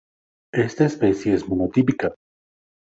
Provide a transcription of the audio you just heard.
Esta especie es monotípica.